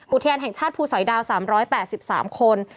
อุทยานแห่งชาติภูสอยดาว๓๘๓คน